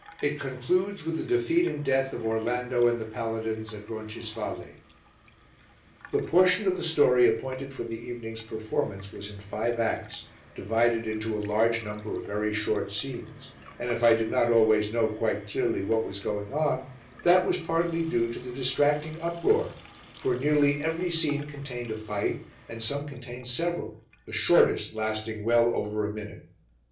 It concludes with the defeat and death of Orlando and the paladins at Roncisvalle. The portion of the story appointed for the evening's performance was in five acts, divided into a large number of very short scenes, and if I did not always know quite clearly what was going on, that was partly due to the distracting uproar, for nearly every scene contained a fight, and some contained several, the shortest lasting well over a minute.